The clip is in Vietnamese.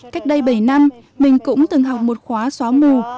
cách đây bảy năm mình cũng từng học một khóa xóa mù